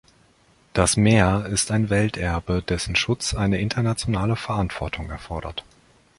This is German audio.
Das Meer ist ein Welterbe, dessen Schutz eine internationale Verantwortung erfordert.